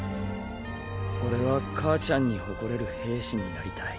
俺は母ちゃんに誇れる兵士になりたい。